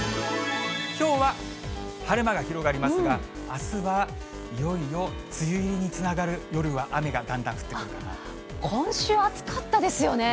きょうは晴れ間が広がりますが、あすはいよいよ梅雨入りにつながる夜は雨がだんだん降ってくるか今週、暑かったですよね。